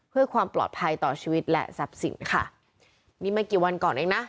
เพื่อความปลอดภัยต่อชีวิตและทรัพย์สินค่ะนี่ไม่กี่วันก่อนเองนะ